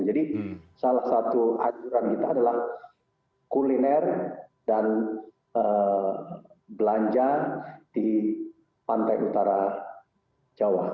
jadi salah satu anjuran kita adalah kuliner dan belanja di pantai utara jawa